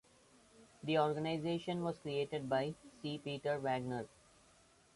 The organisation was created by C. Peter Wagner.